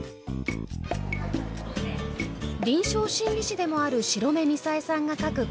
臨床心理士でもある白目みさえさんが描く